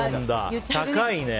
高いね。